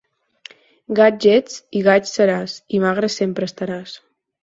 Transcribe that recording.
Gaig ets i gaig seràs i magre sempre estaràs.